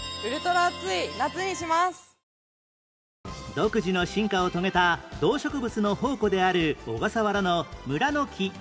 独自の進化を遂げた動植物の宝庫である小笠原の村の木